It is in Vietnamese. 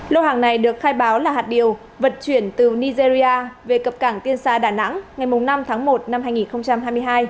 lô hàng này được khai báo là hạt điều vận chuyển từ nigeria về cập cảng tiên sa đà nẵng ngày năm tháng một năm hai nghìn hai mươi hai